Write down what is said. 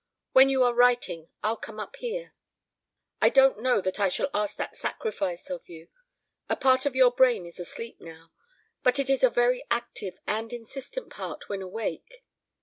When you are writing I'll come up here." "I don't know that I shall ask that sacrifice of you. A part of your brain is asleep now, but it is a very active and insistent part when awake.